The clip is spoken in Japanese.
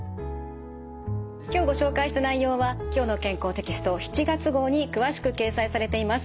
今日ご紹介した内容は「きょうの健康」テキスト７月号に詳しく掲載されています。